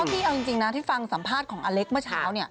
พี่เอาจริงนะที่ฟังสัมภาษณ์ของอเล็กเมื่อเช้า